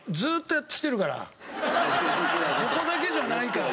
ここだけじゃないから。